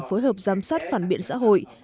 phối hợp giám sát phản biện xã hội